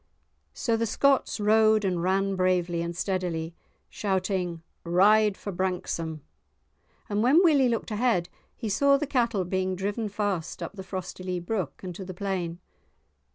So the Scotts rode and ran bravely and steadily, shouting "Ride for Branksome," and when Willie looked ahead he saw the cattle being driven fast up the Frostylee brook, and to the plain.